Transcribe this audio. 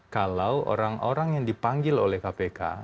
kalau orang orang yang dipanggil oleh kpk